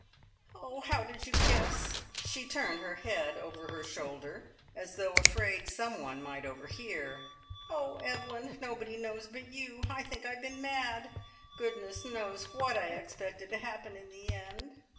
"Oh, how did you guess?" She turned her head over her shoulder, as though afraid some one might overhear. "Oh, Evelyn, nobody knows but you. I think I have been mad. Goodness knows what I expected to happen in the end.